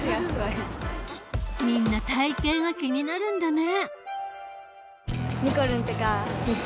みんな体型が気になるんだね。